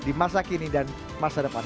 di masa kini dan masa depan